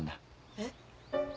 えっ？